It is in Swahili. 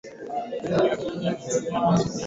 roberta hakufunua utambulisho wa kijana huyo